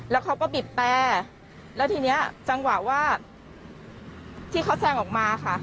แล้วเขาก็บีบแต่แล้วทีนี้จังหวะว่าที่เขาแซงออกมาค่ะ